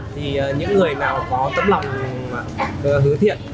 thì những người nào có tấm lòng hứa thiện